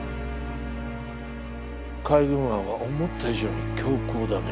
海軍案は思った以上に強硬だね。